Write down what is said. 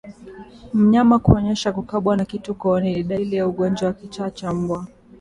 Mnyama kuonyesha kukabwa na kitu kooni ni dalili ya ugonjwa wa kichaa cha mbwa